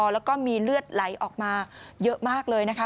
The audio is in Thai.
แล้วก็มีเลือดไหลออกมาเยอะมากเลยนะคะ